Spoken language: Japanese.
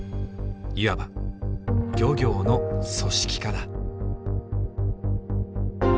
いわば漁業の組織化だ。